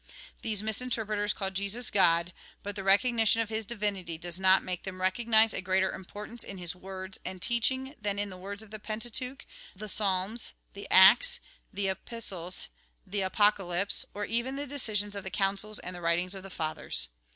These misinterpreters call Jesus, God ; but the recognition of his divinity does not make them recognise a greater importance in his words and teaching than in the words of the Pentateuch, the Psalms, the Acts, the Epistles, the Apocalypse, or even the decisions of the Councils and the writings of the Fathers.